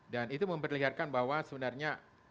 dan itu memperlihatkan bahwa sebenarnya